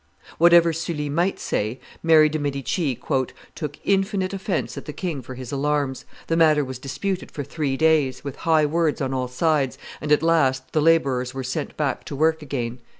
Whatever Sully might say, Mary de' Medici "took infinite offence at the king for his alarms: the matter was disputed for three days, with high words on all sides, and at last the laborers were sent back to work again."